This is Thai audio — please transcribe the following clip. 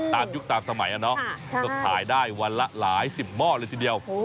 ยุคตามสมัยก็ขายได้วันละหลายสิบหม้อเลยทีเดียว